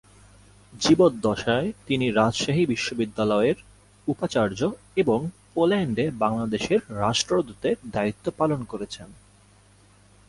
জীবদ্দশায় তিনি রাজশাহী বিশ্ববিদ্যালয়ের উপাচার্য এবং পোল্যান্ডে বাংলাদেশের রাষ্ট্রদূতের দায়িত্ব পালন করেছেন।